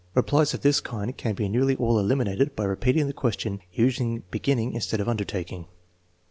Replies of this kind can be nearly all eliminated by repeating the ques tion, using beginning instead of undertaJdng.